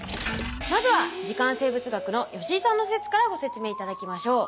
まずは時間生物学の吉井さんの説からご説明いただきましょう。